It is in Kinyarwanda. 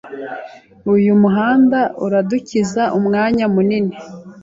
Uyu muhanda uradukiza umwanya munini.